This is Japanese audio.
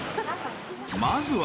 ［まずは］